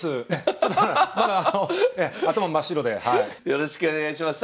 よろしくお願いします。